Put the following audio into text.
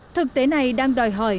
thực tế này đang đòi hỏi